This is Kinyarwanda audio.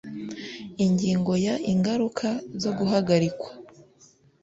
Ingingo ya ingaruka zo guhagarikwa